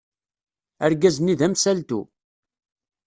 Argaz-nni d amsaltu.